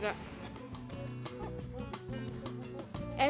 gak terlalu enak